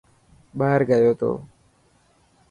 ٻاهر گيو ٿو.